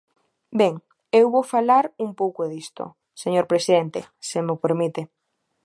Ben, eu vou falar un pouco disto, señor presidente, se mo permite.